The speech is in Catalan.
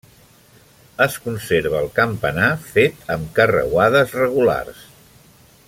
Es conserva el campanar fet amb carreuades regulars.